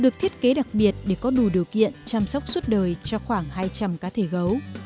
được thiết kế đặc biệt để có đủ điều kiện chăm sóc suốt đời cho khoảng hai trăm linh cá thể gấu